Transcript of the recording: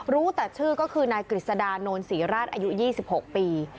รู้แต่ชื่อก็คือนายกฤษดานนศรีราชอายุ๒๖ปี